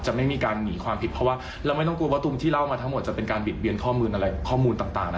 ไม่มีการหนีความผิดเพราะว่าเราไม่ต้องกลัวว่าตรงที่เล่ามาทั้งหมดจะเป็นการบิดเบียนข้อมูลอะไรข้อมูลต่าง